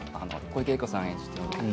小池栄子さん演じる